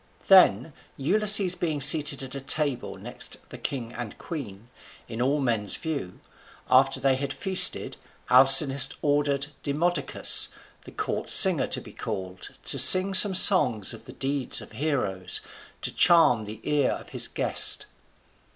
Then, Ulysses being seated at a table next the king and queen, in all men's view, after they had feasted Alcinous ordered Demodocus, the court singer, to be called to sing some song of the deeds of heroes, to charm the ear of his guest.